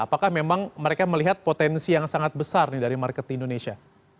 apakah memang mereka melihat potensi yang sangat besar dari market di indonesia